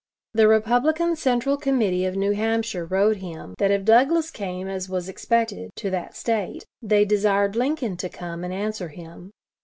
The Republican Central Committee of New Hampshire wrote him that if Douglas came, as was expected, to that State, they desired Lincoln to come and answer him.